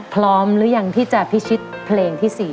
พร้อมหรือยังที่จะพิชิตเพลงที่๔